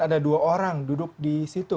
ada dua orang duduk di situ